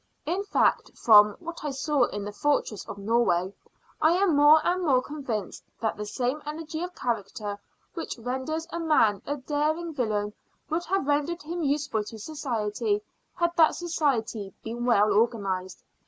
In fact, from what I saw in the fortresses of Norway, I am more and more convinced that the same energy of character which renders a man a daring villain would have rendered him useful to society, had that society been well organised.